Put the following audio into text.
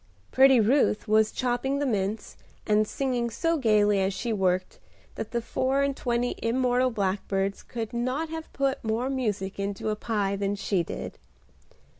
Pretty Ruth was chopping the mince, and singing so gaily as she worked that the four and twenty immortal blackbirds could not have put more music into a pie than she did.